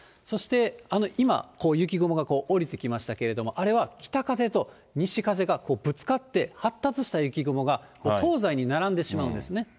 そして今、雪雲が下りてきましたけれども、あれは北風と西風がぶつかって、発達した雪雲が東西に並んでしまうんですね。